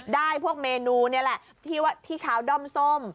ได้พวกเมนูเนี่ยแหละที่ว่าที่เช้าด้อมส้ม